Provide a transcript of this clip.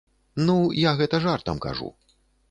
Ну, я гэта жартам кажу.